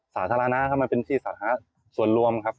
สาธารณะครับมันเป็นที่สาธารณะส่วนรวมครับ